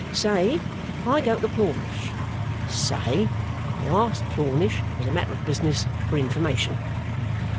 Say, I go to Plornish. Say, I ask Plornish as a matter of business for information.